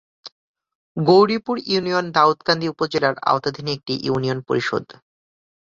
Gauripur union Daudkandi উপজেলার আওতাধীন একটি ইউনিয়ন পরিষদ।